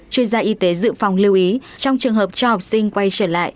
chuyên gia y tế dự phòng lưu ý trong trường hợp cho học sinh quay trở lại